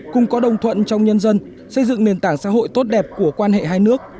cùng có đồng thuận trong nhân dân xây dựng nền tảng xã hội tốt đẹp của quan hệ hai nước